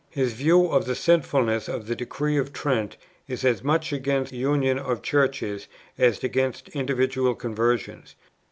His view of the sinfulness of the decrees of Trent is as much against union of Churches as against individual conversions.